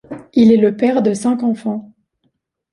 Il est le père de cinq enfants.